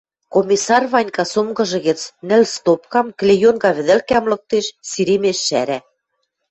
Комиссар Ванька сумкыжы гӹц нӹл стопкам, клеенка вӹдӹлкӓм лыктеш, сиремеш шӓрӓ.